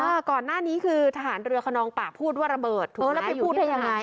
ก่อนหน้านี้คือทหารเรือคนนองปากพูดว่าระเบิดถูกเออแล้วไปพูดได้ยังไง